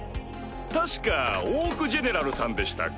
確かオークジェネラルさんでしたか。